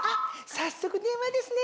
早速電話ですね！